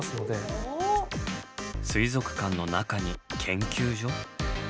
水族館の中に研究所？